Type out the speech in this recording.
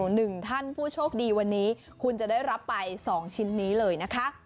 หนึ่งท่านผู้โชคดีวันนี้คุณจะได้รับไปสองชิ้นนี้เลยนะคะ